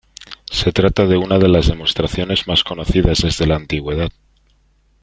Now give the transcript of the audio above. Se trata de una de las demostraciones más conocidas desde la antigüedad.